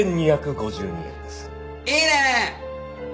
いいねえ！